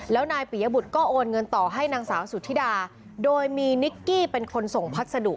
แล้วนายปิยบุตรก็โอนเงินต่อให้นางสาวสุธิดาโดยมีนิกกี้เป็นคนส่งพัสดุ